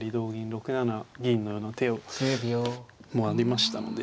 ６七銀のような手もありましたので。